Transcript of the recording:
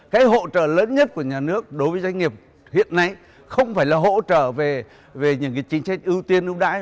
cái hỗ trợ lớn nhất của nhà nước đối với doanh nghiệp hiện nay không phải là hỗ trợ về những chính sách ưu tiên ưu đãi